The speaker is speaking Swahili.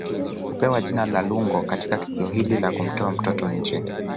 Hupewa jina la Lungo Katika tukio hili la kumtoa mtoto nje